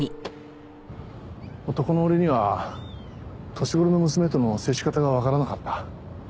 男の俺には年頃の娘との接し方がわからなかった。